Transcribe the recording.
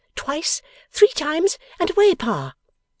Twice! Three times and away, Pa!